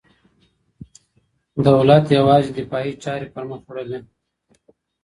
دولت یوازي دفاعي چاري پر مخ وړلې.